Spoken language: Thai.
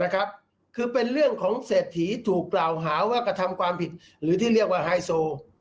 คือเป็นเรื่องของเศรษฐีถูกกล่าวหาว่ากระทำความผิดหรือที่เรียกว่าไฮโซ